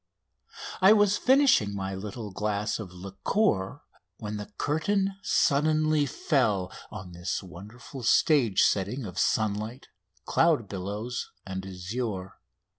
I was finishing my little glass of liqueur when the curtain suddenly fell on this wonderful stage setting of sunlight, cloud billows, and azure.